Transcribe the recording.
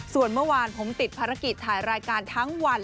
ส่วนเมื่อวานผมติดภารกิจถ่ายรายการทั้งวัน